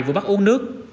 vừa bắt uống nước